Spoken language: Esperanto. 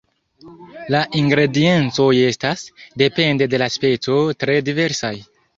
La ingrediencoj estas, depende de la speco, tre diversaj.